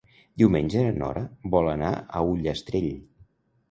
Diumenge na Nora vol anar a Ullastrell.